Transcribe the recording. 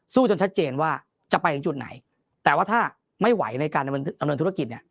จนชัดเจนว่าจะไปถึงจุดไหนแต่ว่าถ้าไม่ไหวในการดำเนินธุรกิจเนี่ย